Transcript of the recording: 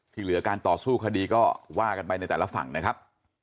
เหลือการต่อสู้คดีก็ว่ากันไปในแต่ละฝั่งนะครับ